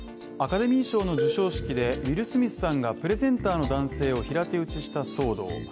アカデミー賞の授賞式で、ウィル・スミスさんがプレゼンターの男性を平手打ちした騒動。